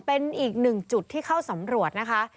เป็นอีกหนึ่งจุดที่เข้าสำรวจนะคะ